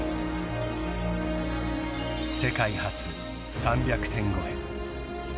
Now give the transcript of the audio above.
［世界初３００点超え］